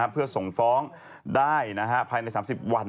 เพื่อส่งฟ้องได้ภายใน๓๐วัน